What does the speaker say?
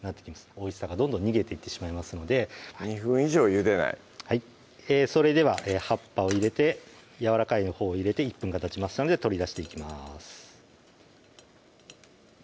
おいしさがどんどん逃げていってしまいますので２分以上ゆでないはいそれでは葉っぱを入れてやわらかいほうを入れて１分がたちましたので取り出していきます